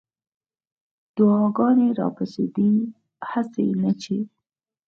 دعاګانې راپسې دي هسې نه چې